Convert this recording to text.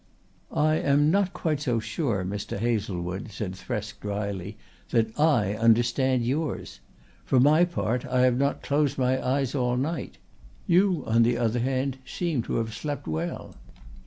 "I am not quite so sure, Mr. Hazlewood," said Thresk drily, "that I understand yours. For my part I have not closed my eyes all night. You, on the other hand, seem to have slept well."